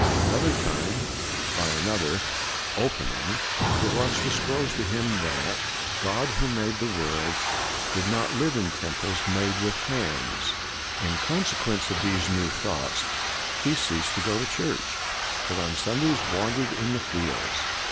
"" Another time, by another " opening," it was dis closed to him that " God who made the world did not live in temples made with hands." In consequence of these new thoughts, he ceased to go to church, but on Sundays wandered in the fields.